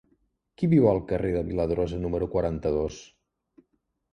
Qui viu al carrer de Viladrosa número quaranta-dos?